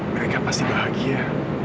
mereka pasti bahagia